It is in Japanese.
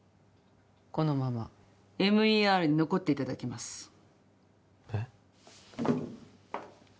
このままＭＥＲに残っていただきますえっ？